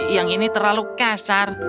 yang ini terlalu kasar